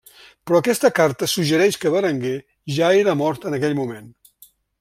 Però aquesta carta suggereix que Berenguer ja era mort en aquell moment.